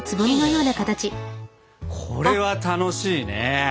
これは楽しいね！